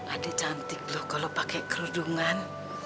adik cantik loh kalau pakai kerudungan